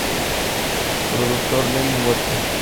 Productor Lenin Huerta